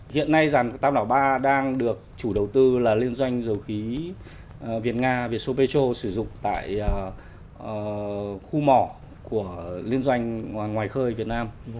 hiện nay rằng đàm đảo ba đang được chủ đầu tư là liên doanh dầu khí việt nga việt sô pê chô sử dụng tại khu mỏ của liên doanh ngoài khơi việt nam